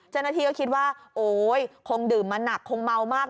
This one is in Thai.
เจ้าหน้าที่ก็คิดว่าโอ๊ยคงดื่มมาหนักคงเมามาก